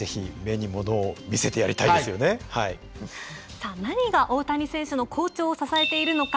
さあ何が大谷選手の好調を支えているのか。